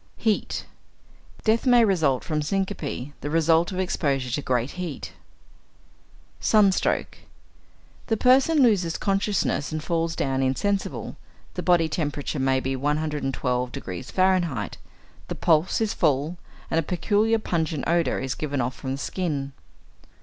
=Heat.= Death may result from syncope, the result of exposure to great heat. =Sunstroke.= The person loses consciousness and falls down insensible; the body temperature may be 112° F., the pulse is full, and a peculiar pungent odour is given off from the skin.